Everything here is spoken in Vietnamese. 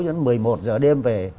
đến một mươi một giờ đêm về